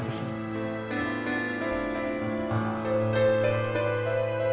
terima kasih pak